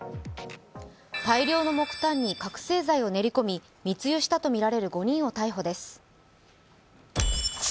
大量の木炭に覚醒剤を練り込み密輸したとみられる５人を逮捕です。